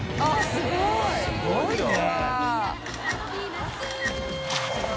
すごいね。